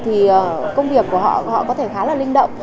thì công việc của họ họ có thể khá là linh động